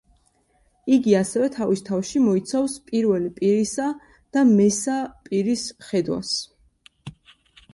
იგი ასევე თავის თავში მოიცავს პირველი პირისა და მესა პირის ხედვას.